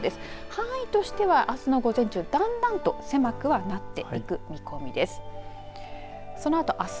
範囲としては、あすの午前中だんだんと狭くなっていく見込みです。